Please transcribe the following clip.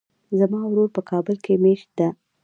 زما ورور په کابل کې ميشت ده.